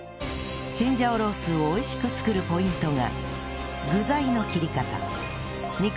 チンジャオロースを美味しく作るポイントが